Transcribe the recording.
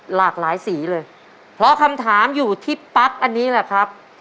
หลากหลายสีเลยเพราะคำถามอยู่ที่ปั๊กอันนี้แหละครับ